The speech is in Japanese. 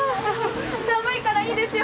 寒いからいいですよ。